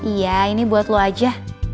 iya ini buat lo aja